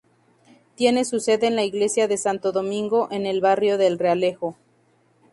Tiene su sede en la iglesia de Santo Domingo, en el barrio del Realejo.